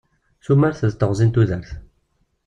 Tumert d teɣzi n tudert.